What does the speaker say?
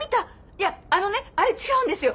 いやあのねあれ違うんですよ